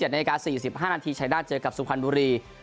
๑๗น๔๕นชัยหน้าเจอกับสุพรรณบุรี